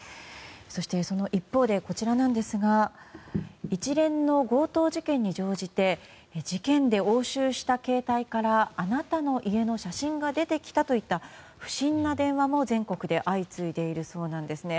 その一方でこちらですが一連の強盗事件に乗じて事件で押収した携帯からあなたの家の写真が出てきたといった不審な電話も全国で相次いでいるそうなんですね。